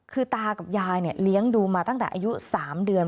คือตากับยายเลี้ยงดูมาตั้งแต่อายุ๓เดือน